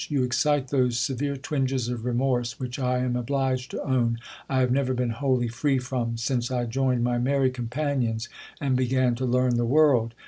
You excite those severe twinges of remorse, which, ! am obliged to own, I have never been wholly free from, since I joined my merry companions, and began to learn the world.